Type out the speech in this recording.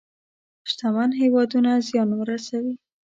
شتمن هېوادونه زيان ورسوي.